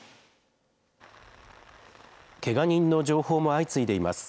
けが人の情報も相次いでいます。